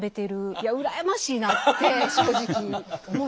いや羨ましいなって正直思いました。